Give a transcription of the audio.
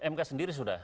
mk sendiri sudah